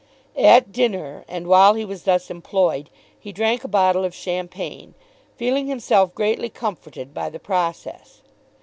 At dinner, and while he was thus employed, he drank a bottle of champagne, feeling himself greatly comforted by the process.